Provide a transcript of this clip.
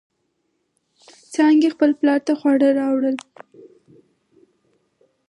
څانگې خپل پلار ته خواړه راوړل.